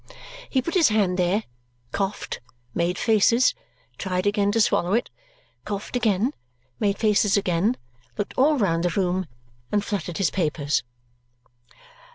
He put his hand there, coughed, made faces, tried again to swallow it, coughed again, made faces again, looked all round the room, and fluttered his papers.